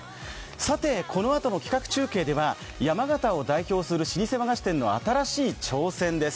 さて、このあとの企画中継では山形を代表する老舗和菓子店の新しい挑戦です。